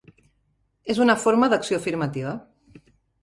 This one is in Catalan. És una forma d'acció afirmativa.